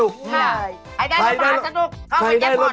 ๒ค่ะ